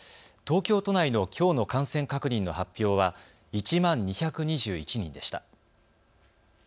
東京都内のきょうの感染確認の発表は１万２２１人でした。